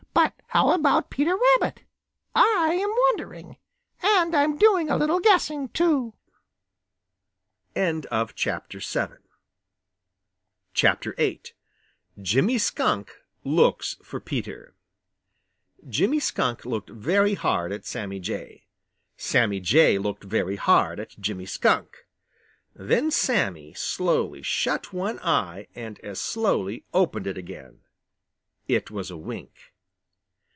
But how about Peter Rabbit? I am wondering. And I'm doing a little guessing, too." VIII JIMMY SKUNK LOOKS FOR PETER Jimmy Skunk looked very hard at Sammy Jay. Sammy Jay looked very hard at Jimmy Skunk. Then Sammy slowly shut one eye and as slowly opened it again. It was a wink.